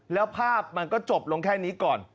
แล้วภาพมันก็จบลงแค่นี้ก่อน